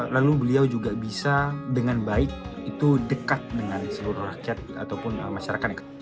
lalu beliau juga bisa dengan baik itu dekat dengan seluruh rakyat ataupun masyarakatnya